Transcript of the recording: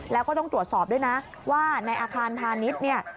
แล้วก็ต้องตรวจสอบด้วยนะว่าในอาคารพาณิชย์เนี่ย